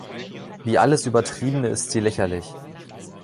Wie alles Übertriebene ist sie lächerlich.